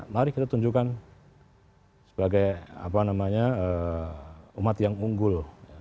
mari kita tunjukkan sebagai umat yang unggul